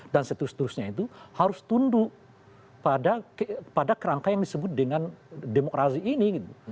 dan seterusnya itu harus tunduk pada kerangka yang disebut dengan demokrasi ini gitu